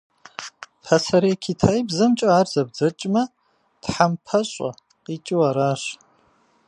Пасэрей китаибзэмкӏэ ар зэбдзэкӏмэ, «тхьэмпэщӏэ» къикӏыу аращ.